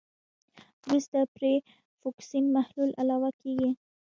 وروسته پرې د فوکسین محلول علاوه کیږي.